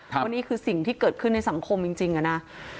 เพราะนี่คือสิ่งที่เกิดขึ้นในสังคมจริงอะนะ